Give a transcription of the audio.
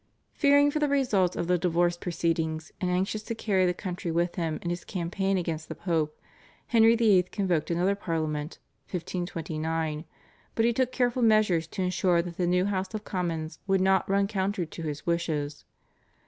Fearing for the results of the divorce proceedings and anxious to carry the country with him in his campaign against the Pope, Henry VIII. convoked another Parliament (1529), but he took careful measures to ensure that the new House of Commons would not run counter to his wishes.